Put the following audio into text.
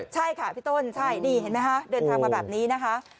ใช่ค่ะพี่ต้นใช่นี่เห็นไหมคะเดินทางมาแบบนี้นะคะ